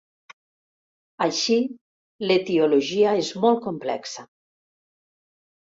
Així, l'etiologia és molt complexa.